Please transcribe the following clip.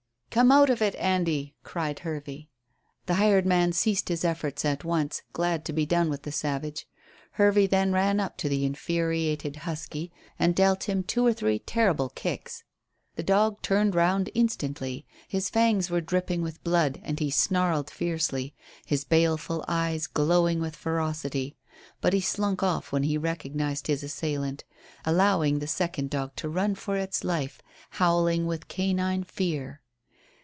"Come out of it, Andy," cried Hervey. The hired man ceased his efforts at once, glad to be done with the savage. Hervey then ran up to the infuriated husky, and dealt him two or three terrible kicks. The dog turned round instantly. His fangs were dripping with blood, and he snarled fiercely, his baleful eyes glowing with ferocity. But he slunk off when he recognized his assailant, allowing the second dog to run for its life, howling with canine fear.